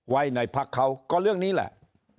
ไว้ในพักเขาก็เรื่องนี้แหละ